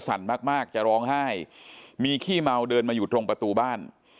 มากมากจะร้องไห้มีขี้เมาเดินมาอยู่ตรงประตูบ้าน